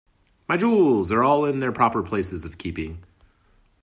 My jewels are all in their proper places of keeping.